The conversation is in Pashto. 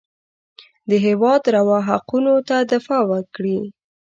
د هېواد روا حقونو څخه دفاع وکړي.